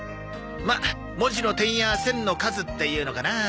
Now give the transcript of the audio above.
まっ文字の点や線の数っていうのかなあ。